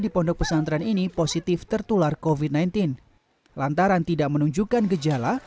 di pondok pesantren ini positif tertular kofit sembilan belas lantaran tidak menunjukkan gejala